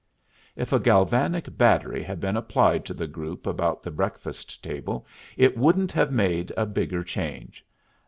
If a galvanic battery had been applied to the group about the breakfast table, it wouldn't have made a bigger change.